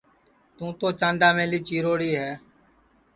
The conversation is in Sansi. تُوں تو چانداملی چیروڑی ہے